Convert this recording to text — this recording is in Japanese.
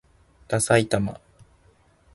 ださいたま